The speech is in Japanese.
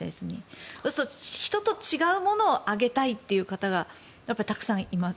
そうすると、人と違うものを上げたいという方がたくさんいます。